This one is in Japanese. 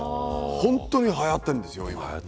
本当にはやってるんですよ。